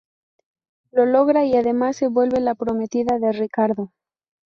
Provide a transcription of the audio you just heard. Lo logra y además se vuelve la prometida de Ricardo.